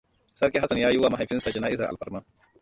Sarki Hassan ya yiwa mahaifinsa jana'izar alfarma.